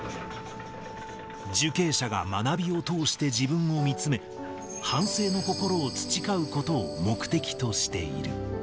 受刑者が学びを通して自分を見つめ、反省の心を培うことを目的としている。